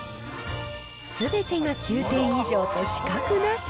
すべてが９点以上と死角なし。